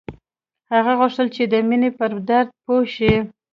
هغه غوښتل چې د مینې پر درد پوه شي